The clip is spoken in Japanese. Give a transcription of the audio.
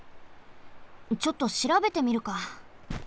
ちょっとしらべてみるか。